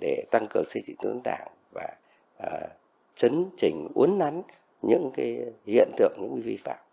để tăng cường xây dựng đốn đảng và chấn trình uốn nắn những hiện tượng những vi phạm